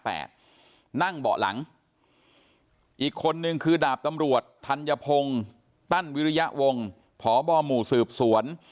นั่งเบาะหลังอีกคนนึงคือดาบตำรวจธัญพงศ์ตั้นวิริยะวงพบหมู่สืบสวน